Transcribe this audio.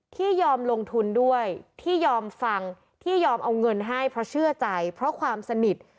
ที่ยอมลงทุนด้วยที่ยอมฟังที่ยอมเอาเงินให้เพราะเชื่อใจเพราะความสนิท